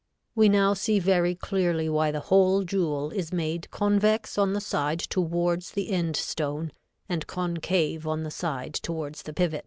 We now see very clearly why the hole jewel is made convex on the side towards the end stone and concave on the side towards the pivot.